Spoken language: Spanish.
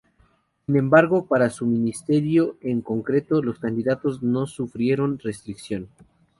Sin embargo, para su ministerio en concreto los candidatos no sufrieron restricción.